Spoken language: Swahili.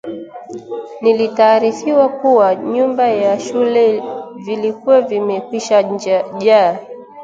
Nilitaarifiwa kuwa vyumba vya shule vilikuwa vimekwisha jaa